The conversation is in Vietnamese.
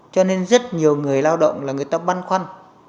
cho nên rất nhiều người lao động là người ta băn khoăn